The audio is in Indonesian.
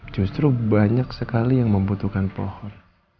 justru banyak sekali yang membutuhkan pohon